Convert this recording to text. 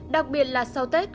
đặc biệt là sau tết